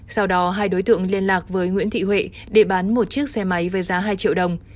sau đó hai đối tượng liên lạc với nguyễn thị huệ để bán một chiếc xe máy với giá hai triệu đồng